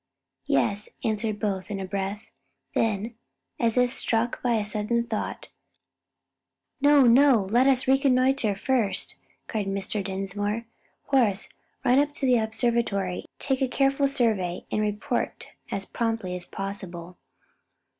"Yes," answered both in a breath, then, as if struck by a sudden thought, "No, no, let us reconnoitre first!" cried Mr. Dinsmore. "Horace, run up to the observatory, take a careful survey, and report as promptly as possible."